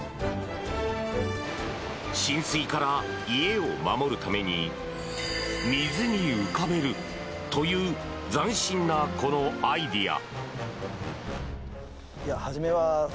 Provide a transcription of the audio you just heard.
浸水から家を守るために水に浮かべるという斬新なこのアイデア。